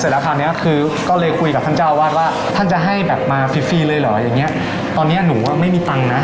เสร็จแล้วคราวเนี้ยก็เลยคุยกับท่านเจ้าอาวาสว่าท่านจะให้แบบฟีรเลยหรอตอนเนี้ยหนูไม่มีตังค์นะ